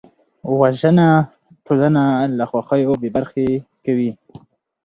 وژنه ټولنه له خوښیو بېبرخې کوي